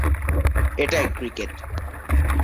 এটাই ক্রিকেট।